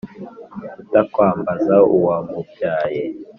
utakwambaza uwamubyaye